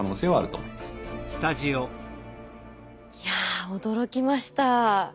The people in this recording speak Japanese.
いや驚きました。